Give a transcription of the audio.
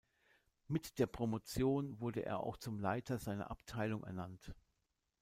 Mit der Promotion wurde er auch zum Leiter seiner Abteilung ernannt.